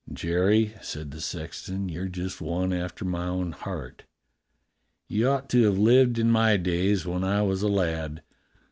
"Jerry," said the sexton, "you're just one after my own heart. You ought to have lived in my days, when I was a lad.